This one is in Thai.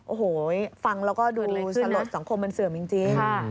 โอ้โหฟังแล้วก็ดูสลดสังคมมันเสื่อมจริง